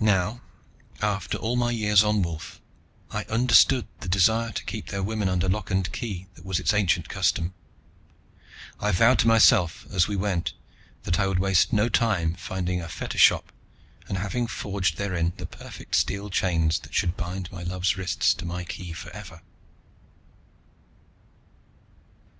Now, after all my years on Wolf, I understood the desire to keep their women under lock and key that was its ancient custom. I vowed to myself as we went that I should waste no time finding a fetter shop and having forged therein the perfect steel chains that should bind my love's wrists to my key forever.